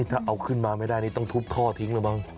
ถ้าเอาขึ้นมาไม่ได้นี่ต้องทุบท่อทิ้งแล้วมั้ง